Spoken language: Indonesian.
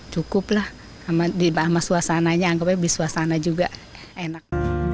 cukup lah sama suasananya anggapnya suasana juga enak